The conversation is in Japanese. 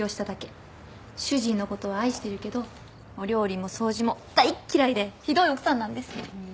主人のことを愛してるけどお料理も掃除も大嫌いでひどい奥さんなんです。